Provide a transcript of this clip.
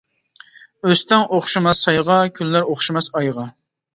ئۆستەڭ ئوخشىماس سايغا، كۈنلەر ئوخشىماس ئايغا.